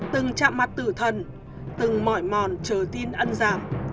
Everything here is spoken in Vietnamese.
từng chạm mặt tử thần từng mỏi mòn chờ tin ân giảm